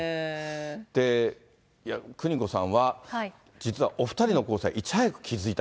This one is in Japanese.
邦子さんは、実はお２人の交際にいち早く気付いた。